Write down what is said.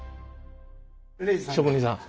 職人さん？